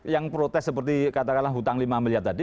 yang protes seperti katakanlah hutang lima miliar tadi